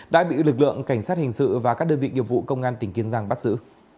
đã bị lực lượng cảnh sát hình sự và các đơn vị nghiệp vụ công an tỉnh kiên giang bắt giữ